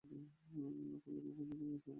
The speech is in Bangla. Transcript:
লাখো লোক ক্যান্সারে মারা যাচ্ছে, ম্যানি!